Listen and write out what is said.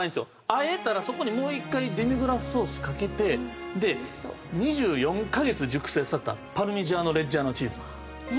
和えたらそこにもう一回デミグラスソースかけて２４カ月熟成させたパルミジャーノ・レッジャーノチーズ。